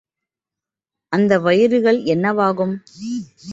அந்த வயிறுகள் என்னவாகும்?